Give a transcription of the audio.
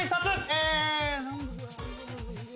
え。